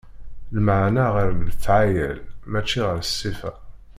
Lmeɛna ɣer lefɛayel, mačči ɣer ṣṣifa.